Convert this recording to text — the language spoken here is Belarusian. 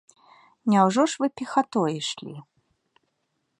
Няўжо ж вы пехатой ішлі?